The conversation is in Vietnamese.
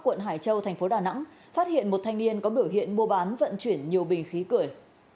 quận hải châu thành phố đà nẵng phát hiện một thanh niên có biểu hiện mua bán vận chuyển nhiều bình khí cười